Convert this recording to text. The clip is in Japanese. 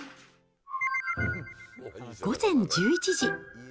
午前１１時。